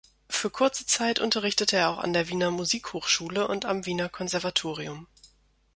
Für kurze Zeit unterrichtete er auch an der Wiener Musikhochschule und am Wiener Konservatorium.